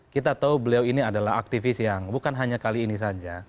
kita tahu beliau ini adalah aktivis yang bukan hanya kali ini saja